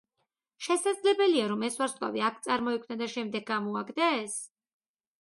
შესაძლებელია, რომ ეს ვარსკვლავი აქ წარმოიქმნა და შემდეგ გამოაგდეს?